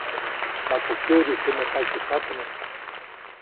Maku kyuʼdi tumä takisyapne.